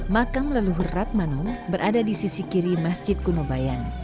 makam leluhur ratmanom berada di sisi kiri masjid kuno bayan